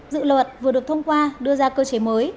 dự luật vừa được thông qua đưa ra cơ chế mới